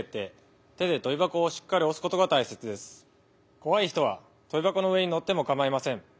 こわい人はとびばこの上にのってもかまいません。